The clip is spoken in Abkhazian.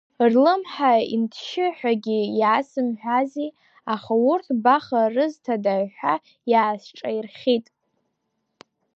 Рлымҳа инҭшьы ҳәагьы иасымҳәази, аха урҭ баха рызҭада ҳәа иаасҿаирхьит.